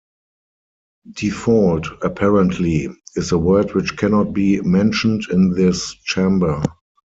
Default, apparently, is the word which cannot be mentioned in this chamber.